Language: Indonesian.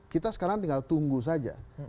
kita sekarang tinggal tunggu saja